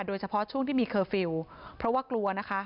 โดยเฉพาะช่วงที่มีเคอร์ฟิลล์เพราะว่ากลัวนะคะ